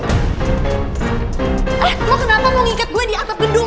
eh kamu kenapa mau ngikat gue di atap gedung